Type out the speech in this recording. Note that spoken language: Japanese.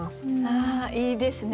あいいですね